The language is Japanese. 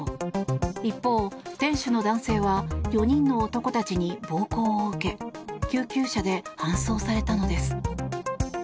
一方、店主の男性は４人の男たちに暴行を受け救急車で搬送されたのです。